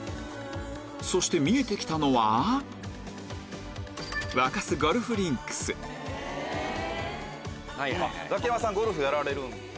そして見えてきたのはザキヤマさんゴルフやられるんですよね。